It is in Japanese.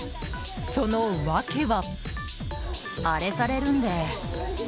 その訳は？